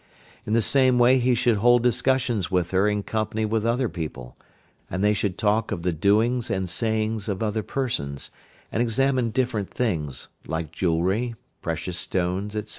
In the same way he should hold discussions with her in company with other people, and they should talk of the doings and sayings of other persons, and examine different things, like jewellery, precious stones, etc.